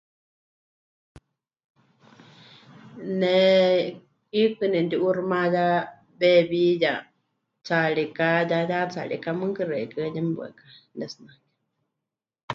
Ne 'iikɨ nemɨti'uuximayá weewíya, tsaariká ya yatsarika, mɨɨkɨ xeikɨ́a yeme waɨká pɨnetsinake.